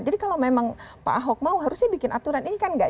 jadi kalau memang pak ahok mau harusnya bikin aturan ini kan enggak